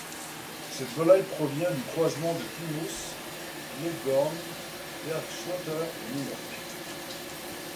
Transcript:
Cette volaille provient du croisement de plymouth, leghorn, Berg-Schlotter et minorque.